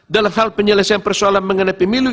dalam hal penyelesaian persoalan mengenai pemilu